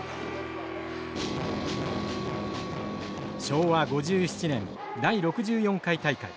昭和５７年第６４回大会。